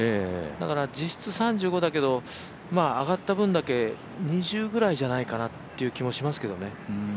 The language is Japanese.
実質３５だけど上がった分だけ２０ぐらいじゃないかなという気もしますけどね。